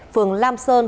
phường lam sơn